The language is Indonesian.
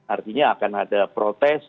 artinya akan ada protes